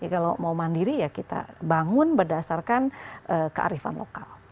kalau mau mandiri ya kita bangun berdasarkan kearifan lokal